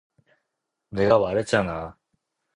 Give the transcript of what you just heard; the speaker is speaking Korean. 내가 말했잖아.